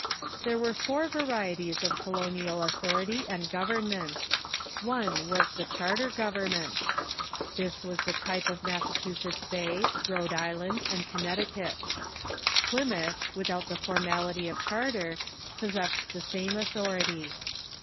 There were four varieties of colonial authority and govern ment. One was the Charter governments. This was the type The Systems ^^ Massachusetts Bay, Rhode Island, and Connecti of Colonial cut. Plymouth, without the formality of charter. Government posgegggcj i\^q same authority.